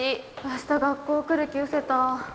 明日学校来る気うせた。